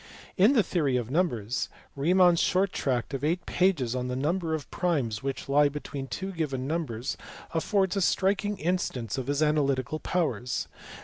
In the theory of numbers, Riemann s short tract of eight pages on the number of primes which lie between two given numbers affords a striking instance of his analytical powers.